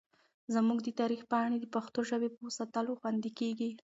زموږ د تاریخ پاڼې د پښتو ژبې په ساتلو خوندي کېږي.